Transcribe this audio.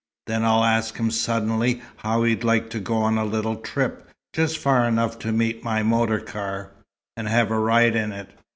Then I'll ask him suddenly, how he'd like to go on a little trip, just far enough to meet my motor car, and have a ride in it.